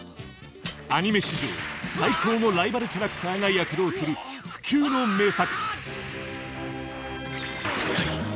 アニメ史上最高のライバルキャラクターが躍動する不朽の名作速い！